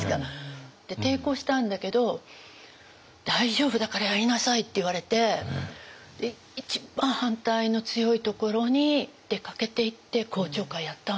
抵抗したんだけど「大丈夫だからやりなさい」って言われて一番反対の強いところに出かけていって公聴会やったんですよ。